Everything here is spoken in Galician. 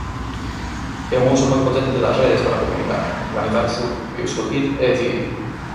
E un uso moi potente das redes para comunicar, organizarse, discutir e decidir.